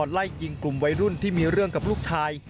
ไล่ยิงกลุ่มวัยรุ่นที่มีเรื่องกับลูกชาย